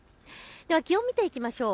気温を見ていきましょう。